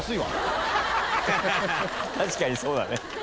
確かにそうだね。